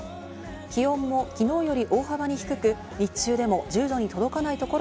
気温も昨日より大幅に低く、日中でも１０度に届かないところ